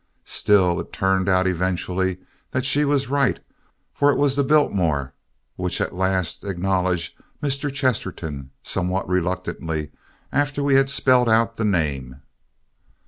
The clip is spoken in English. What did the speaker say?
Still, it turned out eventually that she was right for it was the Biltmore which at last acknowledged Mr. Chesterton somewhat reluctantly after we had spelled out the name.